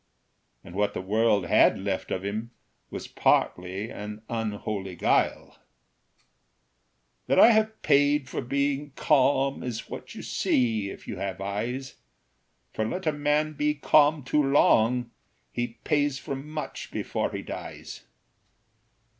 And what the world had left of him Was partly an unholy guile. "That I have paid for being calm Is what you see, if you have eyes; For let a man be calm too long, He pays for much before he dies.